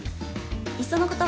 いっそのこと